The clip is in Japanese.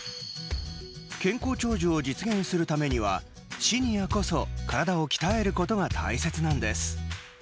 健康長寿を実現するためにはシニアこそ体を鍛えることが大切なんです。